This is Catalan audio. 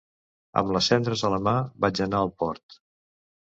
Amb les cendres a la mà, vaig anar al port.